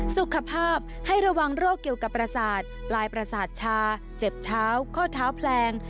สุขภาพให้ระวังโรคเกี่ยวกับประสาทปลายประสาทชาเจ็บเท้าข้อเท้าแพลง